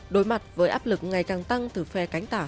đối mặt với áp lực ngày càng tăng từ phe cánh tả